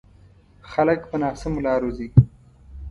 خلک په ناسمو لارو ځي.